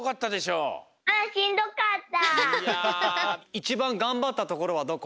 いちばんがんばったところはどこ？